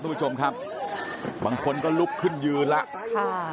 คุณผู้ชมครับบางคนก็ลุกขึ้นยืนแล้วค่ะ